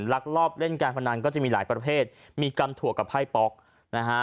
ลักลอบเล่นการพนันก็จะมีหลายประเภทมีกำถั่วกับไพ่ป๊อกนะฮะ